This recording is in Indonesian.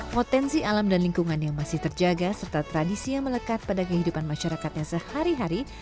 potensi alam dan lingkungan yang masih terjaga serta tradisi yang melekat pada kehidupan masyarakatnya sehari hari